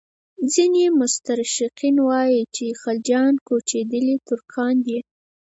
ځینې مستشرقین وایي چې خلجیان کوچېدلي ترکان دي.